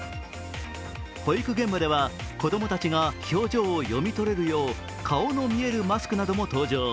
保育現場では子供たちが表情を読み取れるよう顔の見えるマスクなども登場。